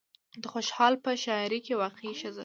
د خوشال په شاعرۍ کې واقعي ښځه